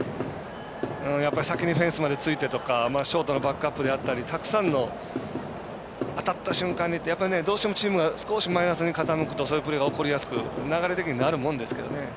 先にフェンスまでついてとかショートのバックアップであったりたくさんの、当たった瞬間どうしてもチームが少しマイナスに傾くとそういうプレーが起こりやすく流れ的にはなるものですけどね。